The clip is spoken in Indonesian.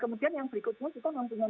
kemudian yang berikutnya juga mempunyai